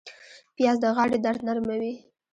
پیاز د غاړې درد نرموي